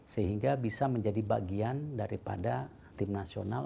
sehingga bisa menjadi bagian daripada tim nasional